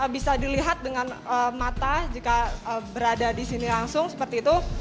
bisa dilihat dengan mata jika berada di sini langsung seperti itu